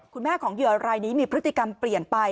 คุณแม่ของเหยื่อรายนี้มีพฤติกรรมเปลี่ยนไป